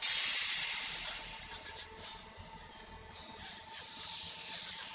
kamu sudah kabur kan